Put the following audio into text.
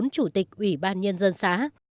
bốn chủ tịch ủy ban nhân dân xã